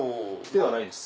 はい。